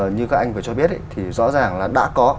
như các anh vừa cho biết thì rõ ràng là đã có